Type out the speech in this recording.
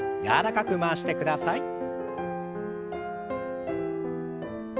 柔らかく回してください。